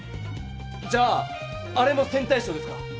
じゃああれも線対称ですか？